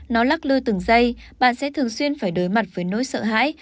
nó lắc lư từng giây bạn sẽ thường xuyên phải đối mặt với nỗi sợ hãi